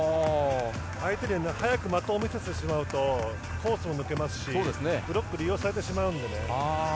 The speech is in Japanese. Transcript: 相手に早く見せてしまうとコースも抜けますしブロックを利用されてしまうので。